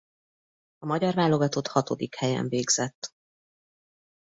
A magyar válogatott hatodik helyen végzett.